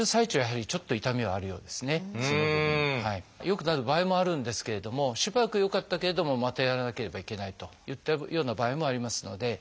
良くなる場合もあるんですけれどもしばらく良かったけれどもまたやらなければいけないといったような場合もありますので。